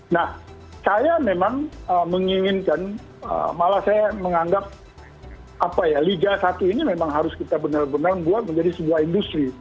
nah saya memang menginginkan malah saya menganggap liga satu ini memang harus kita benar benar buat menjadi sebuah industri